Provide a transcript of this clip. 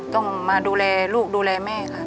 ต้องมาดูแลลูกดูแลแม่ค่ะ